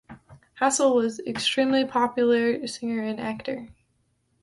Hassel was an extremely popular singer and actor.